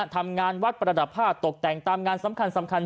ทำงานวัดประดับผ้าตกแต่งตามงานสำคัญ